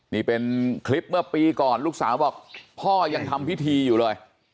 นี่เป็นคลิปเมื่อปีก่อนลูกสาวบอกพ่อยังทำพิธีอยู่เลย